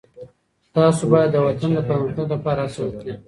تاسو باید د وطن د پرمختګ لپاره هڅه وکړئ.